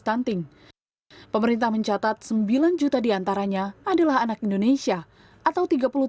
menurut pemerintah dalam jangka panjang ini dapat menghambat pertumbuhan ekonomi dan produktivitas pasar kerja